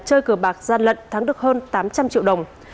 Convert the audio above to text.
chơi cờ bạc gian lận thắng được hơn tám trăm linh triệu đồng